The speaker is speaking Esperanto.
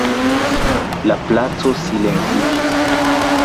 La placo silentiĝis.